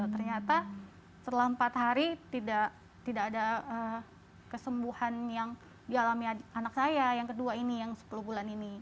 ternyata setelah empat hari tidak ada kesembuhan yang dialami anak saya yang kedua ini yang sepuluh bulan ini